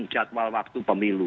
jadwal waktu pemilu